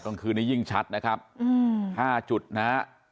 ตอนคืนนี้ยิ่งชัดนะครับ๕จุดนะครับ